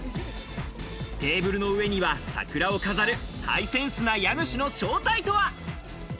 テーブルの上には桜を飾るハイセンスな家主の正体とは？